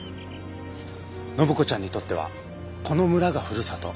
暢子ちゃんにとってはこの村がふるさと。